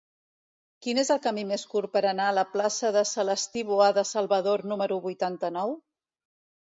Quin és el camí més curt per anar a la plaça de Celestí Boada Salvador número vuitanta-nou?